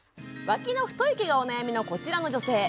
ワキの太い毛がお悩みのこちらの女性